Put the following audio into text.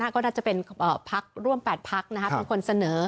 ก็น่าจะเป็นพักร่วม๘พักเป็นคนเสนอ